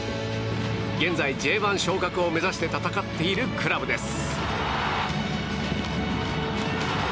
現在、Ｊ１昇格を目指して戦っているクラブです。